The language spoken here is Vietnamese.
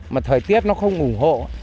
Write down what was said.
mà thời tiết nó không ủ hộ